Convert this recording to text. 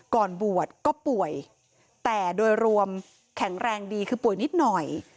ก่อนบวชก็ป่วยแต่โดยรวมแข็งแรงดีคือป่วยนิดหน่อย